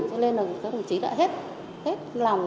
cho nên là đồng chí đã hết lòng